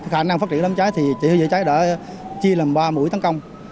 khả năng phát triển lắm cháy thì chữa cháy đã chia làm ba mũi tấn công